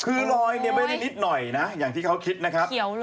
คือรอยเนี่ยไม่ได้นิดหน่อยนะอย่างที่เขาคิดนะครับ